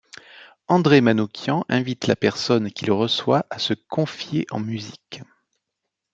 André Manoukian invite la personne qu'il reçoit à se confier en musique.